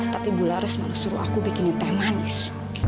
tapi bu lares malah suruh aku bikinin teh manis